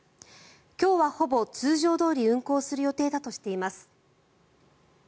今日はほぼ通常どおり運航する予定だとしています。